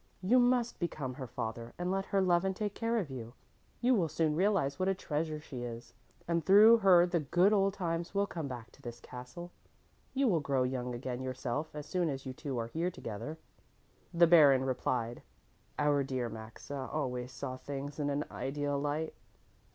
You must become her father and let her love and take care of you. You will soon realize what a treasure she is, and through her the good old times will come back to this castle. You will grow young again yourself as soon as you two are here together." The Baron replied: "Our dear Maxa always saw things in an ideal light.